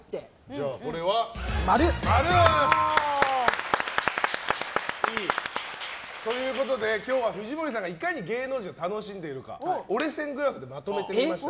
だから、これは○。ということで今日は藤森さんがいかに芸能人を楽しんでいるか折れ線グラフでまとめてみました。